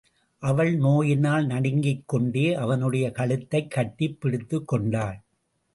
அவள் நோயினால் நடுங்கிக் கொண்டே அவனுடைய கழுத்தைக் கட்டிப் பிடித்துக்கொண்டாள்.